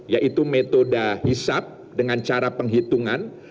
yaitu metode hisap dengan cara penghitungan